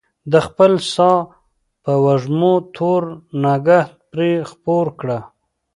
د خپل ساه په وږمو تور نګهت پرې خپور کړه